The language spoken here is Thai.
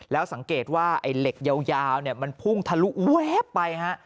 แล้วสังเกตว่าไอ้เหล็กยาวเนี่ยมันพุ่งทะลุแวบไปฮะ